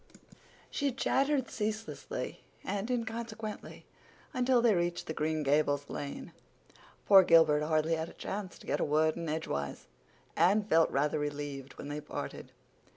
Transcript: She chattered ceaselessly and inconsequently until they reached the Green Gables lane. Poor Gilbert hardly had a chance to get a word in edgewise. Anne felt rather relieved when they parted.